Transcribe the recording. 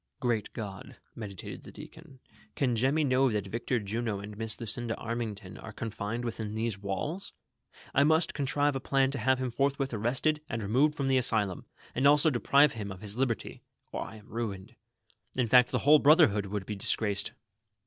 " Great God," meditated the deacon, "can Jemmy know that Victor Juno and Miss Lucinda Annington are con fined within these walls ! I must contrive a plan to have him fortliwith arrested and removed from the Asylum, and also deprive him of his liberty, or I am ruined ; in fact, the whole brotlierhood would be disgraced